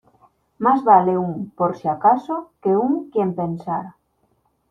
Más vale un "por si acaso" que un "quien pensara".